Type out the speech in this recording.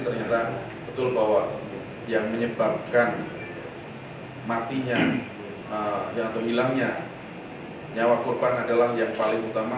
ternyata betul bahwa yang menyebabkan matinya atau hilangnya nyawa korban adalah yang paling utama